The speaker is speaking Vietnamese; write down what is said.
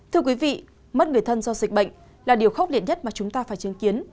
thưa quý vị mất người thân do dịch bệnh là điều khốc liệt nhất mà chúng ta phải chứng kiến